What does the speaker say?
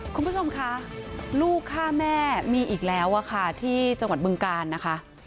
คุณผู้ชมคะลูกฆ่าแม่มีอีกแล้วอะค่ะที่จังหวัดบึงการนะคะ